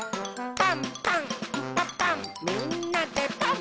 「パンパンんパパンみんなでパン！」